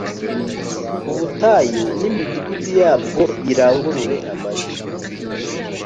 Ubutayu n imidugudu yabwo birangurure amajwi